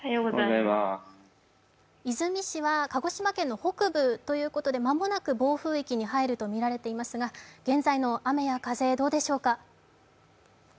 出水市は鹿児島県の北部ということで間もなく暴風域に入るとみられていますが、現在の雨や風、どうでしょうか。